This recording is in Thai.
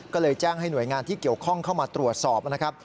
ก็เลยแจ้งให้หน่วยงานที่เกี่ยวข้องเข้ามาตรวจสอบนะครับ